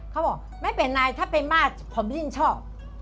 เขาบอกไม่เป็นไรถ้าเป็นมากผมจะยิ่งชอบ